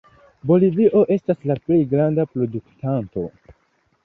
Bolivio estas la plej granda produktanto.